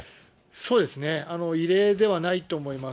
そうですね、異例ではないと思います。